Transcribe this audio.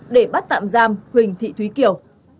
để bắt tạm giam huỳnh thị thúy kiều